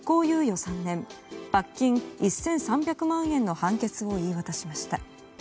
罰金１３００万円の判決を言い渡しました。